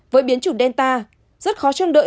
với biến chủ delta rất khó chăm đợi